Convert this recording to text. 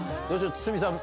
堤さん